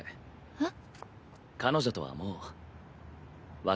えっ？